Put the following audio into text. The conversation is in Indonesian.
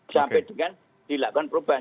sampai dengan dilakukan perubahan